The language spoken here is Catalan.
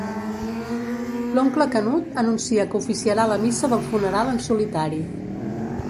L'oncle Canut anuncia que oficiarà la missa del funeral en solitari.